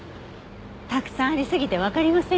たくさんありすぎてわかりませんよ。